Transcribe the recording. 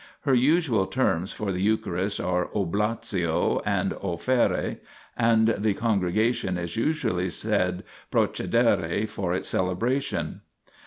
Her usual terms for the Eucharist are oblatio and offerre, and the con gregation is usually said procedere for its celebration.